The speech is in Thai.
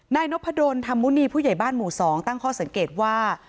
นายนพดลธรรมมุณีผู้ใหญ่บ้านหมู่๒ตั้งข้อสังเกตว่า